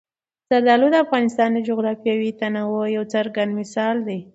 زردالو د افغانستان د جغرافیوي تنوع یو څرګند مثال دی.